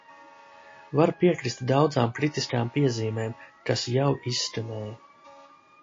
Var piekrist daudzām kritiskām piezīmēm, kas jau izskanēja.